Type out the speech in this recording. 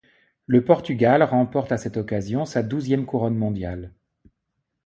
Le Portugal remporte à cette occasion sa douzième couronne mondiale.